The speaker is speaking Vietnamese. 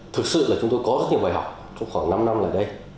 thực sự là chúng tôi có rất nhiều bài học trong khoảng năm năm gần đây